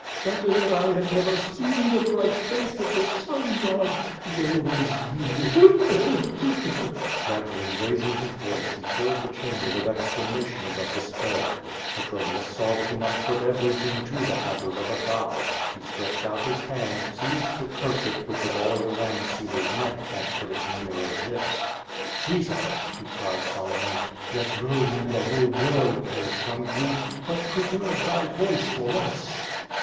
Better that I had never seen the bright face of the sun god. Woe is me! Eheu! Eheu!'' Gradually raising his voice he filled the chamber with ex clamations of despair. Petronius saw that he must put every thing to the hazard oi a die. He stretched out his hand« Il6 QVO VADI8. seized the kerchief, which was always around Caesar's neck, and put it to Nero's lips. "Caesar," he cried, solemnly, "let Rome and the whole world perish from grief, but preserve thy voice for us!"